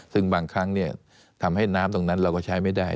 ซึ่งบางครั้งทำให้น้ำตรงนั้นเราก็ใช้ไม่ได้